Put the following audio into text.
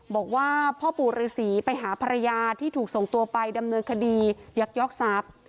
บอกว่าพ่อปู่ฤษีไปหาภรรยาที่ถูกส่งตัวไปดำเนินคดียักยอกทรัพย์